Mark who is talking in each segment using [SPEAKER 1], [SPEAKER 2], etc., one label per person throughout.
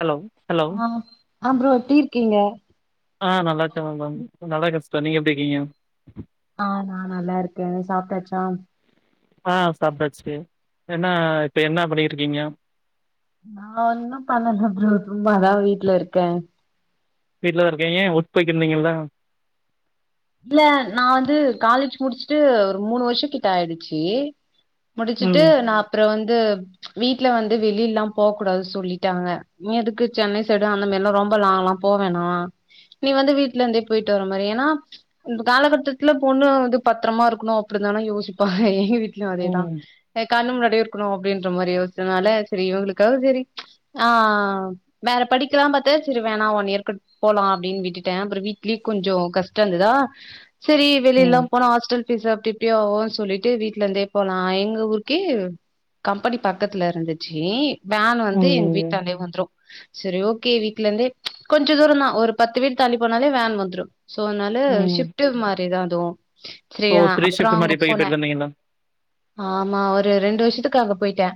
[SPEAKER 1] Hello hello
[SPEAKER 2] ஆ அப்புறோ எப்டி இருக்கீங்க
[SPEAKER 1] ஆ நல்லா இருக்க மேம் நல்லா இருக்கே சிஸ்டர் நீங்க எப்டி இருக்கீங்க
[SPEAKER 2] ஆ நா நல்லா இருக்கே சாப்ட்டாச்சா
[SPEAKER 1] ஆ சாப்டாச்சு என்ன இப்போ என்ன பண்ணிட்ருக்கீங்க
[SPEAKER 2] நான் ஒன்னு பண்ணல ப்ரோ சும்மாதா வீட்ல இருக்கே
[SPEAKER 1] வீட்ல தா இருக்கீங்க ஒர்க் போய்கிருந்தீங்கள
[SPEAKER 2] இல்ல நா வந்து காலேஜ் முடிச்சுட்டு ஒரு மூணு வருஷம் கிட்ட ஆயிடுச்சு முடிச்சுட்டு
[SPEAKER 1] ம்
[SPEAKER 2] நா அப்புறம் வந்து வீட்ல வந்து வெளியில எல்லா போக கூடாது சொல்லிட்டாங்க எதுக்கு சென்னை சைடு அந்த மாரில்லா ரொம்ப லாங் எலா போ வேணா நீ வந்து வீட்ல இருந்தே போயிட்டு வர மாரி ஏன்னா இந்த காலகட்டத்துல பொண்ணு வந்து பத்திரமா இருக்கணு அப்டி தான யோசிப்பாங்க எங்க வீட் வீட்லயு அதேதா
[SPEAKER 1] ம்
[SPEAKER 2] என் கண்ணு முன்னாடி இருக்கணு அப்டின்ற மாரி யோச்சனால சேரி இவுங்களுக்காவது சேரி ஆ ஆ வேற படிக்கலாம் பாத்த சேரி வேணா ஒன் இருக்கட் போலா அப்டினு விட்டுடே அப்புறோ வீட்லியு கொஞ்சோ கஷ்ட இருந்துதா சேரி வெளில்லா
[SPEAKER 1] ம்
[SPEAKER 2] போனா ஹாஸ்டல் நீ சாப்டிட்டியா ஓ சொல்லிட்டு வீட்ல இருந்தே போலா எங்க ஊருக்கே கம்பெனி பக்கதுல இருந்துச்சு வேன் வந்து எங்க வீடான்டே
[SPEAKER 1] ம்
[SPEAKER 2] வந்துரு சேரி ஓகே வீட்ல இருந்தே கொஞ்சோ தூரம் தா ஒரு பத்து வீடு தள்ளி போனாலே வேன் வந்துரு சோ அதனால
[SPEAKER 1] ம்
[SPEAKER 2] ஷிப்ட்டு மாரிரும் அதுவு
[SPEAKER 1] ஓ
[SPEAKER 2] செரியா
[SPEAKER 1] த்ரீ
[SPEAKER 2] அப்புறோ
[SPEAKER 1] ஷிஃப்ட்
[SPEAKER 2] அங்க
[SPEAKER 1] மாரி போய்
[SPEAKER 2] போன
[SPEAKER 1] போய்ட்டு வந்தீங்களா
[SPEAKER 2] ஆமா ஒரு ரெண்டு வருஷத்துக்கு அங்க போயிட்டே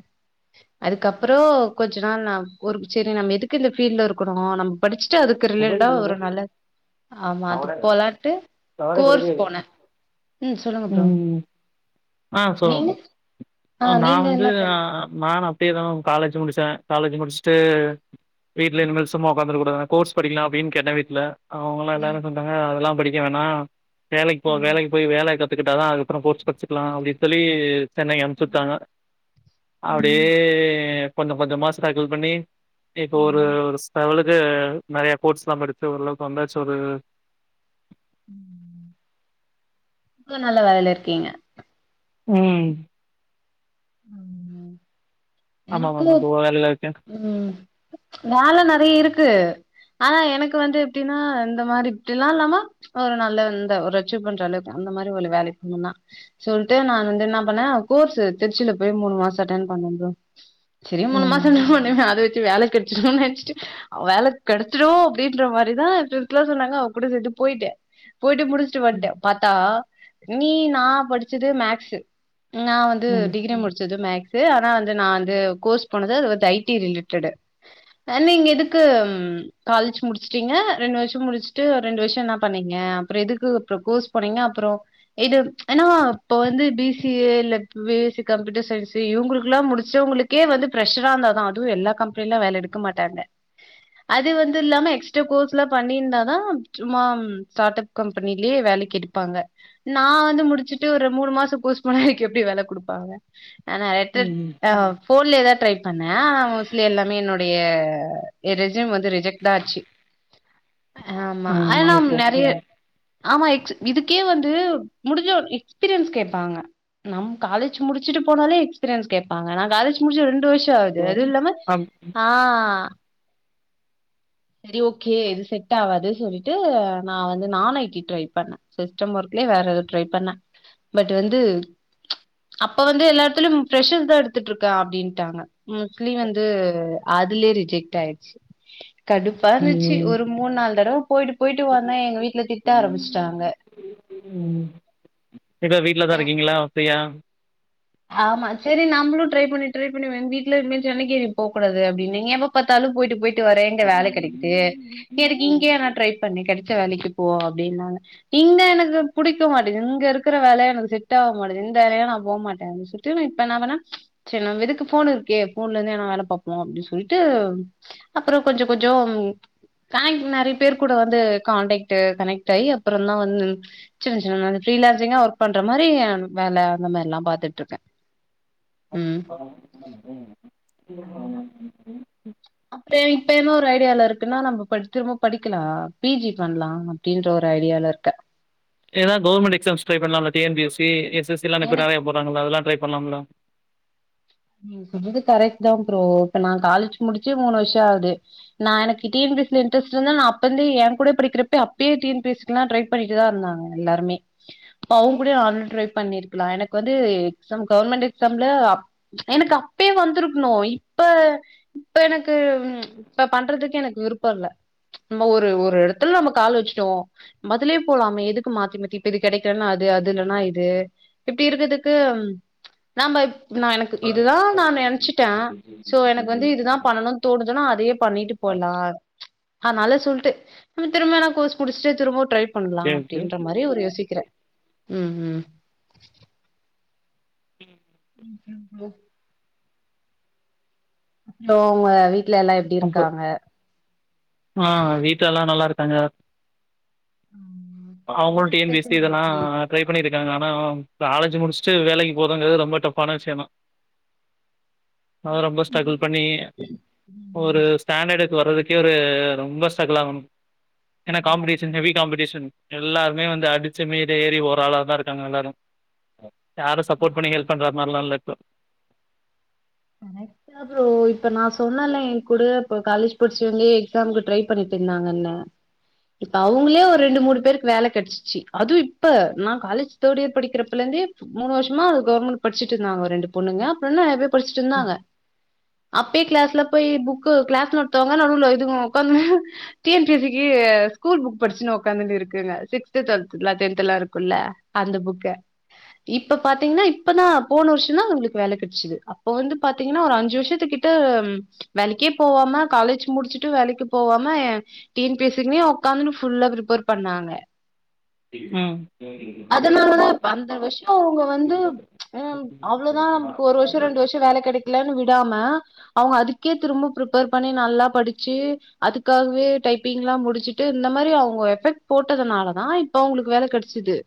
[SPEAKER 2] அதுக்கப்புறோ கொஞ்ச நாள் நா ஒருக் செரி நம்ம எதுக்கு இந்த ஃபீல்ல இருக்குணு நம் படிச்சுட்டு அதுக்கு ரிலேட்டடா ஒரு நல்ல ஆமா அதுக்கு போலாட்டு கோர்ஸ் போனே ம் சொல்லுங்க ப்ரோ.
[SPEAKER 1] ம் ஆ
[SPEAKER 2] நீங்க
[SPEAKER 1] சொல்லுங்ம
[SPEAKER 2] ஆ
[SPEAKER 1] அ நா
[SPEAKER 2] நீங்க
[SPEAKER 1] வந்து
[SPEAKER 2] என்ன
[SPEAKER 1] ஆ
[SPEAKER 2] பண்ணீங்க
[SPEAKER 1] ஆ நான தே தா மேம் காலேஜ் முடிச்சே காலேஜ் முடிச்ட்டு வீட்ல இன்மேல் சும்மா ஒக்காந்துர கூடாதுனு கோர்ஸ் படிக்லா அப்டின் கேட்டே வீட்ல அவுங்கள்லா எல்லாரு சொல்டாங்க அதெல்லாம் படிக்க வேணா. வேலைக் போ வேலைக் போய் வேலய கத்துகிட்டாதா அதுக்கப்றோ கோர்ஸ் படிச்சிக்லா அப்டின் சொல்லி சென்னைக் அம்சுட்டாங்க அப்டியே கொஞ்ச கொஞ்சமா ஸ்ட்ரகுள் பண்ணி இப்போ ஒரு ஒரு ஸ்லெவலுக்கு நறைய கோட்ஸ்லா படிச்சு ஒரளவுக்கு வந்தாச்சு ஒரு
[SPEAKER 2] ம் ம் இப்ப நல்ல வேலைல இர்க்கீங்க?
[SPEAKER 1] ம்.
[SPEAKER 2] [inaudible]
[SPEAKER 1] ஆமா
[SPEAKER 2] எனக்கு
[SPEAKER 1] மேம் நா கோ வேலைலருக்கே.
[SPEAKER 2] ம் வேல நெறைய இருக்கு ஆனா எனக்கு வந்து எப்டினா இந்த மாரி தில்லாலமா ஒரு நல்ல இந்த ஒரு அட்சூ பண்ற அளவுக்கு அந்த மாரி ஒலு வேலைய பண்ணுன்னா சொல்ட்டு நான் வந்து என்ன பண்ணே கோர்ஸ் திருச்சில போய் மூணு மாசோ அட்டென் பண்ணே ப்ரோ. செரியா
[SPEAKER 1] ம்
[SPEAKER 2] மூணு மாசந்தா பண்ணே அத வெச்சு வேல கெட்ச்சிடுன் நெனச்ட்டு அ வேல கெடச்சிடு அப்டின்ற மாரிதா எ ஃப்ரெண்ஸ்லா சொன்னாங்க அவ கூட சேந்து போய்ட்டே. போயிட்டு முடிச்ட்டு
[SPEAKER 1] ம்
[SPEAKER 2] வந்ட்டே. பாத்தா நீ நா படிச்சது மேக்ஸு. நா வந்து
[SPEAKER 1] ம்
[SPEAKER 2] டிகிரி முடிச்சது மேக்ஸு ஆனா வந்து நா வ ந்து கோர்ஸ் போனது அது வந்து ஐ டி ரிலேட்டடு அ நீங்க எதுக்கு ம் காலேஜ் முடிச்டிங்க ரெண்டு வர்ஷோ முடிச்ட்டு ரெண்டு வர்ஷோ என்ன பண்ணிங்க அப்புறோ எதுக்கு அப்புறோ கோர்ஸ் போனீங்க அப்புறோ இது ஏனா இப்ப வந்து பி சி ஏ இல்ல B S C computer science இவுங்குளுக்ல்லா முடி ச்சவுங்களுக்கே வந்து ப்ரெஷரா இருந்தாதா அதுவு எல்லா கம்பெனில்லா வேல எடுக்க மாட்டாங்க. அது வந்து இல்லாம எக்ஸ்ட்ரா கோர்ஸ்லா பண்ணிருந்தாதா சும்மா ஸ்டாடப் கம்பெனிலியே வேலக்கி எடுப்பாங்க. நா வந்து முடிச்சிட்டு ஒரு மூணு மாசோ கோர்ஸ் போனா எனக் எப்டி வேல குடுப்பாங்க நா நறைய [unintelligible]
[SPEAKER 1] ம்
[SPEAKER 2] அ ஃபோன்லியே தா ட்ரை பண்ணே ஆனா மோஸ்லி எல்லாமே என்னுடைய எ ரெஸ்யூம் வந்து ரிஜெக்ட்தா ஆச்சி. அ ஆமா ஆனா
[SPEAKER 1] ம்
[SPEAKER 2] நம்
[SPEAKER 1] ஓகே
[SPEAKER 2] நெறைய ஆமா எக்ஸ் இதுக்கே வந்து முடிஞ்ச ஒரு எக்ஸ்பீரியன்ஸ் கேப்பாங்க. நம் காலேஜ் முடிச்சிட்டு போனாலே எக்ஸ்பீரியன்ஸ் கேப் பாங்க நா காலேஜ் முடிச்சு ரெண்டு வர்ஷோ ஆவுது அதுவு இல்லாம ஆ செரி ஓகே இது செட் ஆவாது சொல்லிட்டு நா வந்து நான் ஐ டி ட்ரை பண்ணே. சிஸ்டம் ஒர்க்லியே வேற இது ட்ரை பண்ணே பட் வந்து அப்ப வந்து எல்லா எட்த்துலியும் ப்ரெஷர் தா எடு த்துட்ருக்க அப்டின்டாங்க மோஸ்ட்லி வந்து அதுல்யே ரிஜெக்ட் ஆயிட்சி. கடுப்பா
[SPEAKER 1] ம்
[SPEAKER 2] இந்துச்சி
[SPEAKER 1] ம்
[SPEAKER 2] ஒரு மூண் நால் தடவ போய்ட்டு போய்ட்டு வந்தே எங்க வீட்ல திட்ட ஆரம்ச்ட்டாங்க.
[SPEAKER 1] [inaudible] ம் இப்ப வீட்லதா இருக்கிங்களா ஃப்ரீயா?
[SPEAKER 2] ஆமா சேரி நம்முளு ட்ரை பண்ணி ட்ரை பண்ணி வெ எங் வீட்ல இனிமேல் சென்னைக்கே நீ போக்கூடாது அப்டினு எப்ப பாத்தாலு போய்ட்டு போய் ட்டு வர எங்க வேல கெடைக்கிது எதுக்கு இங்கியே நா ட்ரை பண்ணி கெடைச்ச வேலக்கி போ அப்டின்னாங்க. இங்க எனக்கு புடிக்க மாட்டிது இங்க இருக்குற வேல எனக்கு செட் ஆவ மாட்டிது இந்த வேலைலா நா போ மாட் டைம் சுட்டு நா இப்ப என்னா பண்ணே செரி நம் எதுக்கு ஃபோனு இருக்கே ஃபோன்லந்து எதனா வேல பாப்போ அப்டி சொல்ட்டு அப்றோ கொஞ்ச கொஞ்சோம் காயின்ட் மாரி பேர் கூட வந்து கான்டெக்டு கனெக்ட் ஆகி அப்புறந்தா வந் சின்ன சின்ன அந் மாரி ஃப்ரீலேன்ஸிங்கா ஒர்க் பண்ற மாரி வேல அந்த மாரில்லா பாத்துட் டுருக்கே ம்
[SPEAKER 1] ஆ ம் ம்
[SPEAKER 2] அதுனால அப்பறோ இப்ப என்ன ஒரு ஐடியால இருக்குனா நம்ம பட் திரும்ப படிக்கலா பி ஜி பண்லா அப்டின்ற ஒரு ஐடியால இருக்கெ
[SPEAKER 1] எதா கவர்மெண்ட் எக்ஸாம்ஸ் ட்ரை பண்லாம்லா T N P S C S S C எல்லா இப்ப நெறையா போறாங்கல அதெல்லா ட்ரை பண்லாம்ல
[SPEAKER 2] நீங்க சொல்றது கரெக்ட்தா ப்ரோ இப்ப நா காலேஜ் முடிச்சே மூணு வருஷோ ஆவுது நா எனக்கு டி என் பி சி ல இன்ரெஸ்ட் இருந்தா நா அப்பந்தே எங்கூட படிகிறப்பே அப்பேயே டி என் பி எஸ் க்லா ட்ரை பண்ணிக்ட்டுதா இருந்தாங்க எல்லாருமே அவங்க கூடே நானு ட்ரை பண்ணிருக்கலா எனக்கு வந்து எக்ஸாம் கவர்மெண்ட் எக்ஸாம்ல அப் எனக்கு அப்பே வந்திருக்கணு இப்ப இப்ப எனக்கு இப்ப பண்றதுக்கு எனக்கு விருப்பொ இல்ல ம்ம ஒரு ஒரு எடத்துல நம்ம கால் வச்சுட்டோ மதுலே போலாமே எதுக்கு மாத்தி மாத்தி இப்ப இது கெடைக்கிலன்னா அது அது இல்லனா இது இப்டி இருக்கதுக்கு நாம நா எனக்கு இதுதா நா நெனைச்சுட்டே சோ எனக்கு வந்து இதுதா பண்ணணுன் தோணுதுன்னா அதையே பண்ணிட்டு போய்லா அதனால சொல்ட்டு நம்ம திரும்பல்லா கோர்ஸ் முடிச்ட்டு திரும்பவு ட்ரை பண்லா
[SPEAKER 1] ஓகே, ஓகே.
[SPEAKER 2] அப்டின்ற மாரி ஒரு யோசிக்குறே ம் ம் ம் ம் அப்றோ ஒங்க வீட்ல எல்லா எப்டி இருக்காங்க
[SPEAKER 1] ஆ வீட்ல எல்லா நல்லாருக்காங்க அவுங்களு T N P S C தானா ட்ரை பண்ணியிட்டுக்காங்க ஆனா காலேஜ் முடிச்சுட்டு வேலைக்கு போறதுங்கிறது ரொம்ப டஃப்பான விஷயந்தா அதா ரொம்ப ஸ்ட்ரகுள் பண்ணி ஒரு ஸ்டாண்டர்டுக்கு வர்றதுக்கே ஒரு ரொம்ப ஸ்ட்ரகுல் ஆகணு ஏனா காம்படிஷன் ஹெவி காம்படிஷன் எல்லாருமே வந்து அடிச்சு மேட ஏறி ஓராளாதா இருக்காங்க எல்லாரு யாரு சப்போர்ட் பண்ணி ஹெல்ப் பண்ற மார்லா இல்ல இப்போ
[SPEAKER 2] [inaudible] அப்றோ இப்ப நா சொன்னல்ல என் கூட இப்ப காலேஜ் படிச்சவங்க எக்ஸாம்க்கு ட்ரை பண்ணிட்டு இருந்தாங்கன்னு இப்போ அவ்ங்களே ஒரு ரெண்டு மூணு பேருக்கு வேல கெடைச்சிச்சு அதுவு இப்ப நா காலேஜ் தேடு இயர் படிக்கிறப்புலந்தே மூணு வருஷமா அது கவர்மெண்ட் படிச்ட்டு இருந்தாங்க ரெண்டு பொண்ணுங்க அப்புறென்ன நெறைய பேர் படிச்சிட்டு
[SPEAKER 1] ம்.
[SPEAKER 2] இருந்தாங்க அப்பேய கிளாஸ்ல போய் புக் கிளாஸ் நடத்துவங்க நடுல இதுவுங்க உக்காந்து T N P S C க்கு ஸ்கூல் புக் படிச்சுனு உக்காந்துன்ட்டு இருக்குங்க சிக்ஸ்த்து டுவெல்துக்லா டென்த்தலா இருக்குல்ல அந்த புக்க இப்ப பாத்தீங்கன்னா இப்பந்தா போன வருஷந்தா அவளுக்கு வேல கெடச்சுது இப்போ வந்து பாத்தீங்கன்னா ஒரு அஞ்சு வருஷத்துக்கிட்ட வேலைக்கே போவாம காலேஜ் முடிச்சுட்டு வேலைக்கு போவாம T N P S C க்குனே உக்காந்துன்னு ஃபுல்லா பிரிஃப்பேர் பண்ணாங்க
[SPEAKER 1] ம்
[SPEAKER 2] அதனாலதா இப்ப அந்த விஷயோ அவ்ங்க வந்து ம் அவ்ளோதா இப்ப ஒரு வருஷோ ரெண்டு வருஷோ வேல கெடைக்கலன் விடாம அவங்க அதுக்கே திரும்ப ப்ரிஃப்பேர் பண்ணி நல்லா படிச்சு அதுக்காகவே டைப்பிங்லா முடிச்சிட்டு இந்த மாரி அவங்க எஃபெக்ட் போட்டதுனாலதா இப்ப அவங்களுக்கு வேல கெடச்சிது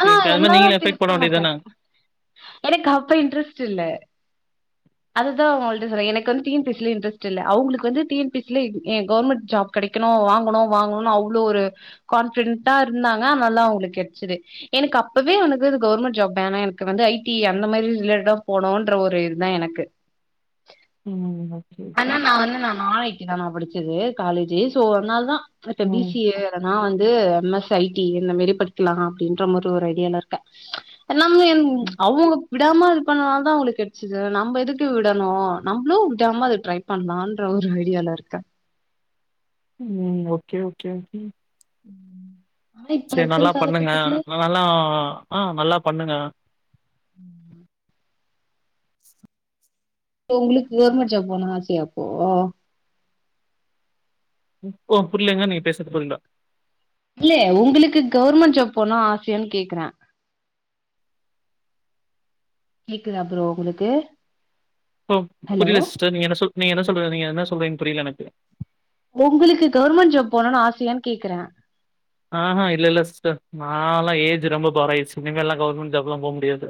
[SPEAKER 2] ஆனா எல்லாரு
[SPEAKER 1] நீங்களு
[SPEAKER 2] அப்டி
[SPEAKER 1] எபக்ட்
[SPEAKER 2] இருக்க
[SPEAKER 1] போடவேண்டியதானே
[SPEAKER 2] மாட்டாங்க எனக்கு அப்ப இன்ட்ரெஸ்ட் இல்ல அதுதா உங்கள்ட்ட சொல்ரே எனக்கு வந்து T N P S C ல இன்ட்ரெஸ்ட் இல்ல அவங்களுக்கு வந்து T N P S C ல கவர்மெண்ட் ஜாப் கெடைக்கணு வாங்கணு வாங்கணும்னு அவ்வளோ ஒரு கான்பிடென்டா இருந்தாங்க அதுனால்ல தா அவங்களுக்கு கெடச்சுது எனக்கு அப்பவே எனக்கு கவர்மெண்ட் ஜாப் வேணா எனக்கு வந்து ஐ டி அந்த மாரி ரிலேட்டடா போனும்ன்ற ஒரு இது தா எனக்கு
[SPEAKER 1] ம் ஓகே,
[SPEAKER 2] அண்ணா
[SPEAKER 1] ஓகே.
[SPEAKER 2] நா வந்து நா நா ஐ டி தா நா படிச்சது காலேஜு சோ அதனால தா எனக்கு பி
[SPEAKER 1] ம்.
[SPEAKER 2] சி ஏ எதனா வந்து எம் எஸ் ஐ டி இந்த மாரி படிக்கலா அப்டின்ற மாரி ஒரு ஐடியால இருக்கே நாம அவங்க விடாம இது பண்ணனால தான் அவங்களுக்கு கெடைச்சது நம்ம எதுக்கு விடணும் நம்மளும் விடாம அத ட்ரை பண்ணலான்ற ஒரு ஐடியால இருக்கேன்
[SPEAKER 1] ஒக்கே ஒக்கே
[SPEAKER 2] ஆனா இப்ப
[SPEAKER 1] சேரி
[SPEAKER 2] இருக்கிற
[SPEAKER 1] நல்லா பண்ணுங்க
[SPEAKER 2] காலகட்டத்துல
[SPEAKER 1] நல்லா ஆ நல்லா பண்ணுங்க
[SPEAKER 2] உங்களுக்கு கவர்மெண்ட் ஜாப் போனும்னு ஆசையாப்போ
[SPEAKER 1] ஓ புரியலைங்க நீங்க பேசுறது புரியல
[SPEAKER 2] இல்ல உங்களுக்கு கவர்மெண்ட் ஜாப் போணும் ஆசையான்னு கேக்குறேன் கேக்குதா புரோ உங்களுக்கு
[SPEAKER 1] ப்போ
[SPEAKER 2] ஹலோ
[SPEAKER 1] புரில சிஸ்டர் நீங்க என்ன சொல் நீங்க என்ன சொல்றீங்க நீங்க என்ன சொல்றீங்க புரில எனக்கு
[SPEAKER 2] உங்களுக்கு கவர்மெண்ட் ஜாப் போணும்னு ஆசையான்னு கேக்குறேன்
[SPEAKER 1] ஆஹா இல்லயில்ல சிஸ்டர் நாலாம் ஏஜ் ரொம்ப குரையிது இனிமேல்லாம் கவர்மெண்ட் ஜாப்லாம் போக முடியாது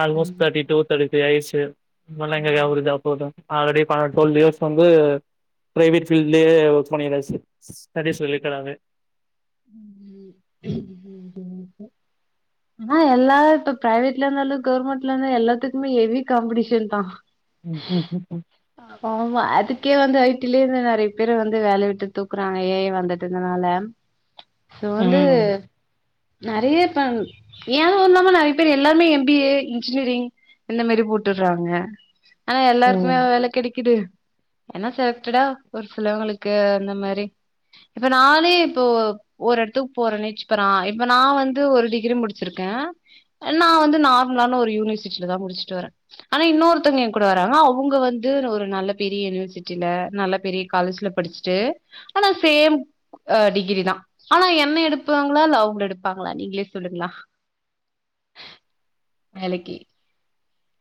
[SPEAKER 1] almost thirty two thirty three ஆயிருச்சு இப்பல்ல எங்க கவர்ண்மென்ட் ஜாப் போறது ஆல்ரெடி பன்னெண்டு டுவல் இயர்ஸ் வந்து பிரைவேட் ஃபீல்டுலயே ஒர்க் பண்ணியாச்சு செரி சொல்லிட்டாவே
[SPEAKER 2] ஆ எல்லா இப்ப பிரைவேட்ல இருந்தாலும் கவர்மெண்ட்ல இருந்தாலும் எல்லாத்துக்குமே ஹெவி காம்படிஷன் தான்
[SPEAKER 1] ம்
[SPEAKER 2] ஆ ஆமா அதுக்கே வந்து ஐ டிலயே இருந்து நெறைய பேரு வந்து வேலைய விட்டு தூக்குறாங்க ஏ ஐ வந்துட்டதுனால இப்ப வந்து
[SPEAKER 1] ம்
[SPEAKER 2] நெறையப்ப [unintelligible] நெறைய பேர் எல்லாருமே எம் பி ஏ இன்ஜினியரிங் இந்த மாரி போட்டறாங்க ஆனா
[SPEAKER 1] ம்
[SPEAKER 2] எல்லாருக்குமேவா வேல கெடைக்கிது என்ன செலக்டடா ஒரு சிலவங்களுக்கு அந்த மாதிரி இப்ப நானே இப்போ ஒரு எடத்துக்கு போறே நெனச்சிபாரு இப்ப நான் வந்து ஒரு டிகிரி முடிச்சிருக்கேன் நான் வந்து நார்மலான ஒரு யூனிட்சிட்சுல தான் முடிச்சுட்டு வரேன் ஆனா இன்னொருத்தவங்க என் கூட வராறங்க அவங்க வந்து ஒரு நல்ல பெரிய யூனிவர்சிட்டில நல்ல பெரிய காலேஜ்ல படிச்சு சுட்டு ஆனா சேம் டிகிரி தான் ஆனா என்ன எடுப்பாங்களா அவங்க எடுப்பாங்களா நீங்களே சொல்லுங்களே வேலைக்கு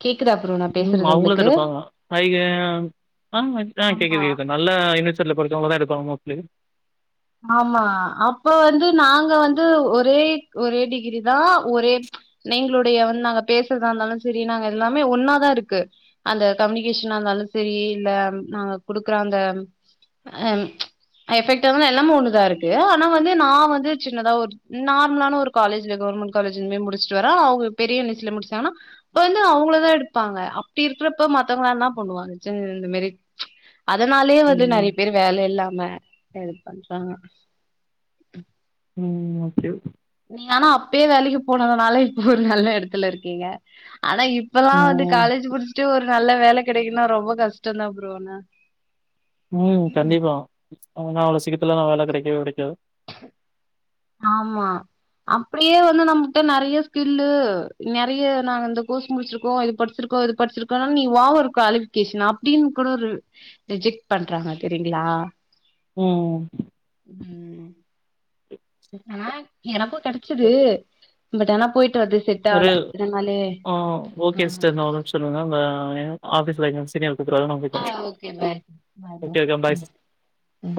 [SPEAKER 2] கேக்குதா ப்ரோ நா
[SPEAKER 1] ம்
[SPEAKER 2] பேசுறது
[SPEAKER 1] அவங்கள தா
[SPEAKER 2] உங்களுக்கு
[SPEAKER 1] எடுப்பாங்கலா பை ஏ ம் அ ஆ கேட்குது
[SPEAKER 2] ஆமா
[SPEAKER 1] கேக்குது நல்ல யூனவர்சிட்டியில படிச்சவங்கள தா எடுப்பாங்க மோஸ்லி
[SPEAKER 2] ஆமா அப்ப வந்து நாங்க வந்து ஒரே ஒரே டிகிரி தா ஒரே நீங்களுடைய வந்து நாங்க பேசுறதா இருந்தாலு சரி நாங்க எல்லாமே ஒன்னாதா இருக்கு அந்த கம்யூனிகேஷனா இருந்தாலு சரி இல்ல நாங்க குடுக்குற அந்த ஹம் எஃபெக்ட் ஆ எல்லாமே ஒண்ணுதா இருக்கு ஆனா வந்து நா வந்து சின்னதா ஒரு நார்மலான ஒரு காலேஜ்ல கவர்மெ் காலேஜ் எம் ஏ முடிச்சிட்டு வர அவங்க பெரிய யூனிவர்சிட்டிசல முடிச்சாங்கன்னா இப்ப வந்து அவங்களதா எடுப்பாங்க அப்படி இருக்கிறப்ப மத்தவங்களல்லா என்னா பண்ணுவாங்க இந்த மாரி அதனாலயே வந்து
[SPEAKER 1] ம்
[SPEAKER 2] நிறைய பேர் வேலை இல்லாம இது பண்றாங்க
[SPEAKER 1] ம் ஓகே
[SPEAKER 2] நீங்க ஆனா அப்பயே வேலைக்கு போனதுனால இப்ப ஒரு நல்ல இடத்துல இருக்கீங்க ஆனா இப்பல்லா வந்து
[SPEAKER 1] ம்
[SPEAKER 2] காலேஜ் முடிச்சுட்டு ஒரு நல்ல வேலை கிடைக்குனா ரொம்ப கஷ்டம்தா புரோ ஆண்ணா
[SPEAKER 1] உம் கண்டிப்பா அவுங்களுக்கு ல்லா அவ்வளவு சீக்கத்தலாம நா வேலை கிடைக்கவே கிடைக்காது
[SPEAKER 2] ஆமா அப்டியே வந்து நம்மகிட்ட நெறைய ஸ்கில்லு நெறைய நாங்க இந்த கோர்ஸ் முடிச்சிருக்கோ இது படிச்சிருக்கோ இது படிச்சிருக்கோனாலும் நீ ஓவர் குவாலிபிகேஷன் அப்டின்னு கூட ஒரு ரிஜெக்ட் பண்றாங்க தெரியுங்களா
[SPEAKER 1] ம்
[SPEAKER 2] ஆ எனக்கும் கிடைச்சது பட் ஆனா போயட்டு வறது செட் ஆவல இதனாலே
[SPEAKER 1] ஆ ஓகே சிஸ்டர் நா ஒரு நிமிஷ இருங்க உங்க ஆஃபீஸில்ல இருக்க signal
[SPEAKER 2] okay bye bye
[SPEAKER 1] [unintelligible]
[SPEAKER 2] bro
[SPEAKER 1] okay okay
[SPEAKER 2] ம்
[SPEAKER 1] பாய்ஸ்
[SPEAKER 2] ம்